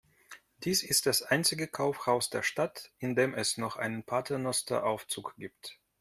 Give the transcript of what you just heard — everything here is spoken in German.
Dies ist das einzige Kaufhaus der Stadt, in dem es noch einen Paternosteraufzug gibt.